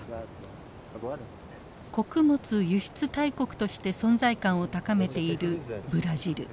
穀物輸出大国として存在感を高めているブラジル。